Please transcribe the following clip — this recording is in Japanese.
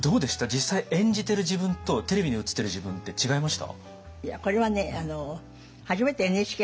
実際演じてる自分とテレビに映ってる自分って違いました？